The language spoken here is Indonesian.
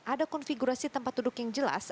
ada konfigurasi tempat duduk yang jelas